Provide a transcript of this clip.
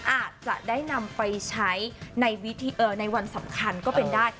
อาจจะได้นำไปใช้ในวันสำคัญก็เป็นได้